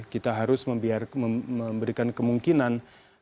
kita harus memberikan kemungkinan